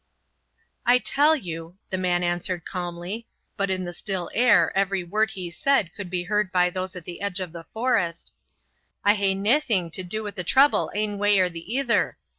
"I tell you," the man answered calmly, but in the still air every word he said could be heard by those at the edge of the forest, "I hae naething to do with the trouble ane way or the ither.